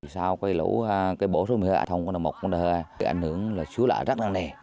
sau quây lũ cái bổ xuống mưa ả thông của đồng một cái ảnh hưởng là chú lợi rất là nề